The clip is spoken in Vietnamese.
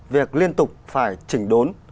việc liên tục phải chỉnh đốn